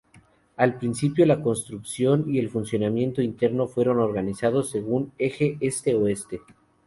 Al principio, la construcción y el funcionamiento interno fueron organizados según un eje este-oeste.